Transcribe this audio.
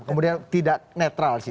kemudian tidak netral